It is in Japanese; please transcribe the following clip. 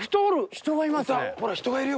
人がいますね。